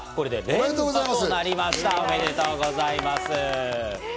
おめでとうございます。